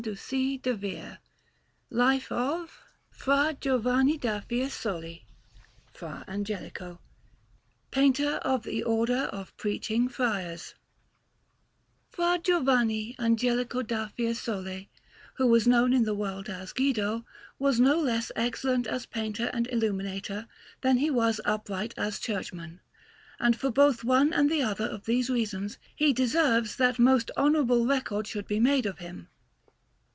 FRA GIOVANNI DA FIESOLE FRA GIOVANNI DA FIESOLE [FRA ANGELICO] PAINTER OF THE ORDER OF PREACHING FRIARS Fra Giovanni Angelico da Fiesole, who was known in the world as Guido, was no less excellent as painter and illuminator than he was upright as churchman, and for both one and the other of these reasons he deserves that most honourable record should be made of him.